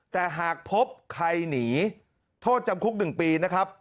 แต่หากพบใครหนีโทษจำคุก๑ปีนะครับ